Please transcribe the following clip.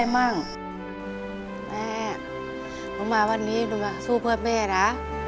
แม่หนูมาวันนี้หนูมาสู้เพื่อแม่นะ